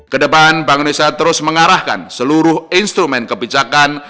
kedepan bank indonesia terus mengarahkan seluruh instrumen kebijakan